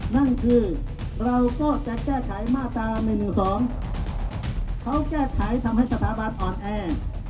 นั่นคือเราก็จะแก้ไขมาตรา๑๑๒เขาแก้ไขทำให้สถาบันอ่อนแอ